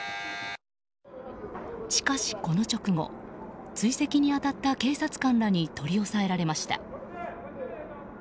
しかし、この直後追跡に当たった警察官らに取り押さえられました。